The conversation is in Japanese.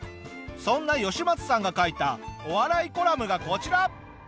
そんなヨシマツさんが書いたお笑いコラムがこちら。